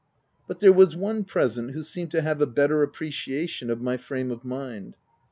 But there was one present who seemed to have a better appreciation of my frame of mind.